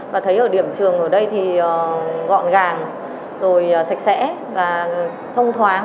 và thấy ở điểm trường ở đây thì gọn gàng rồi sạch sẽ và thông thoáng